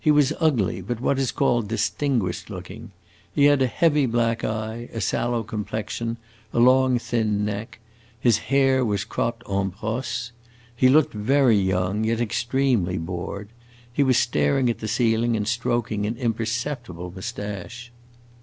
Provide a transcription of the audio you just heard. He was ugly, but what is called distinguished looking. He had a heavy black eye, a sallow complexion, a long, thin neck; his hair was cropped en brosse. He looked very young, yet extremely bored. He was staring at the ceiling and stroking an imperceptible moustache.